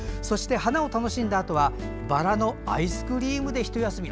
花を楽しんだあとはバラのアイスクリームでひと休み。